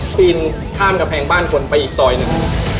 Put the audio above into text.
ปีนข้ามกำแพงบ้านคนไปอีกซอยหนึ่ง